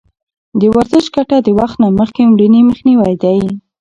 د ورزش ګټه د وخت نه مخکې مړینې مخنیوی دی.